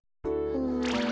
うん。